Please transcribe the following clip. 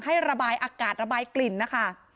ให้ระบายอากาศระบายกลิ่นนะคะ